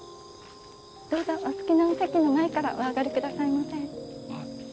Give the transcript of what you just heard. どうぞお好きなお席の前からお上がりくださいませ。